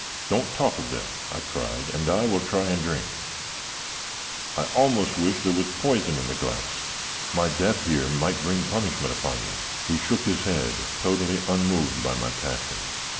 "Don't talk of them," I cried, "and I will try and drink. I almost wish there was poison in the glass. My death here might bring punishment upon you." He shook his head, totally unmoved by my passion.